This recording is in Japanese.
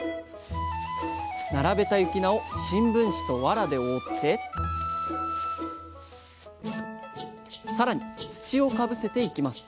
並べた雪菜を新聞紙とわらで覆ってさらに土をかぶせていきます